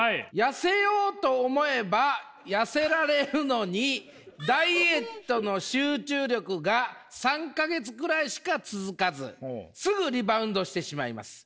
「痩せようと思えば痩せられるのにダイエットの集中力が３か月ぐらいしか続かずすぐリバウンドしてしまいます。